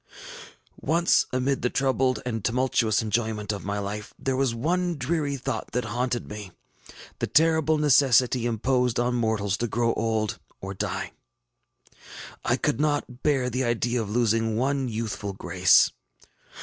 ŌĆÖ ŌĆ£Once, amid the troubled and tumultuous enjoyment of my life, there was a dreamy thought that haunted me, the terrible necessity imposed on mortals to grow old, or die. I could not bear the idea of losing one youthful grace.